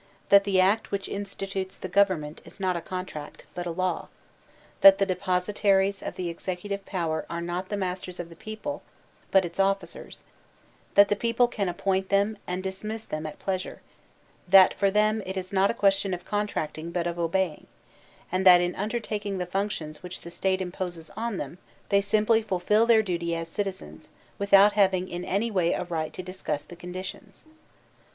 that the act which institutes the govern ment is not a contract, but a law; that the depositaries of the executive power are not the masters of the people, but its officers; that the people can appoint them and dismiss them at pleasure ; that for them it is not a ques tion of contracting, but of obeying; and that in under taking the functions which the State imposes on them, they simply fulfill their duty as citizens, without having in any way a right to discuss the conditions.